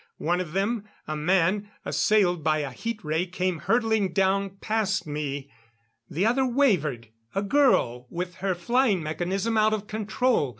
One of them a man assailed by a heat ray, came hurtling down past me. The other wavered a girl with her flying mechanism out of control.